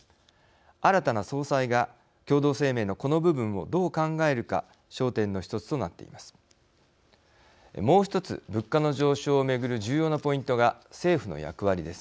新たな総裁が共同声明のこの部分をどう考えるか、焦点の１つとなっています。